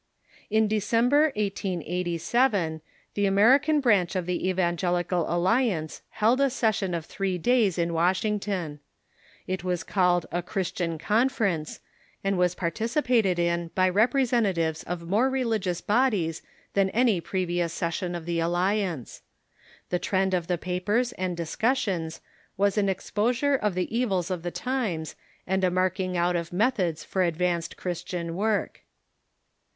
• In December, 1887, the American branch of the Evangelical Alliance held a session of three days in Washington. It was The Christian called a " Christian Conference," and was partici Conference in pated in by representatives of more religious bod ing on j^ .^|.| |jjj^ jjj^y pi evious session of the Alliance. The trend of the papers and discussions was an exposure of the evils of the times, and a marking out of methods for advanced Christian work.